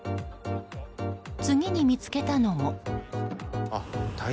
次に見つけたのも。